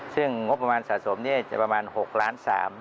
ซึ่งงบประมาณสะสมจะประมาณ๖ล้าน๓